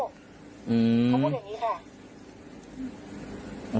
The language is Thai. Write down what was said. เขาพูดอย่างนี้ค่ะ